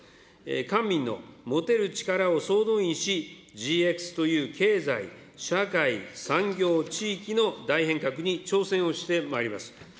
官民の持てる力を総動員し、ＧＸという経済、社会、産業、地域の大変革に挑戦をしてまいります。